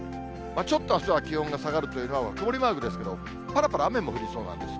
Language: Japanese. ちょっとあすは気温が下がるというのは、曇りマークですけど、ぱらぱら雨も降りそうなんです。